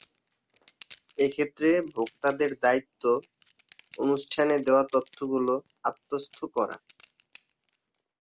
এ ক্ষেত্রে ভোক্তাদের দায়িত্ব অনুষ্ঠানে দেওয়া তথ্যগুলো আত্মস্থ করা।